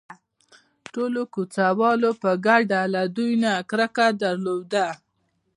ټولو کوڅه والو په ګډه له دوی نه کرکه درلوده.